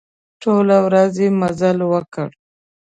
ټوله ورځ يې مزل وکړ.